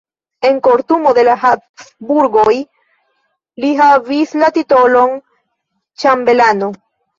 En kortumo de la Habsburgoj li havis la titolon ĉambelano.